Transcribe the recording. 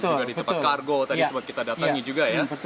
di tempat kargo tadi sebab kita datangnya juga ya